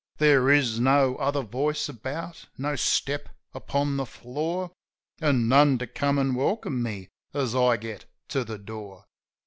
There is no other voice about, no step upon the floor; An' none to come an' welcome me as I get to the door.